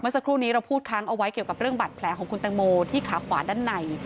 สักครู่นี้เราพูดค้างเอาไว้เกี่ยวกับเรื่องบัตรแผลของคุณตังโมที่ขาขวาด้านใน